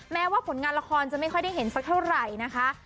แม้ว่าผลงานละครจะไม่ค่อยได้เห็นสักเท่าไหร่นะคะ